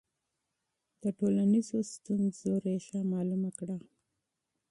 د ټولنیزو ستونزو ریښه معلومه کړه.